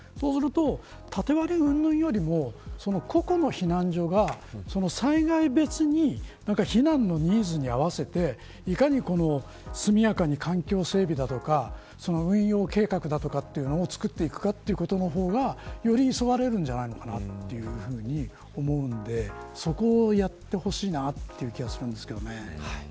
そうすると縦割りうんぬんよりも個々の避難所が災害別に避難のニーズに合わせていかに速やかに環境整備だとか運用計画だとかというのをつくっていくかということの方がより急がれるんじゃないのかなと思うんでそこをやってほしいなという気がするんですけどね。